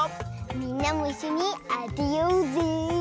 みんなもいっしょにあてようぜ。